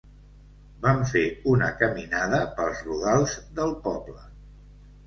Vam fer una caminada pels rodals del poble.